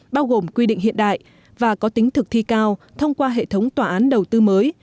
bao gồm quy định hiện đại và có tính thực thi cao thông qua hệ thống tòa án đầu tư mới